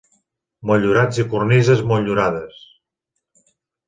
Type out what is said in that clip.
Motllurats i cornises motllurades.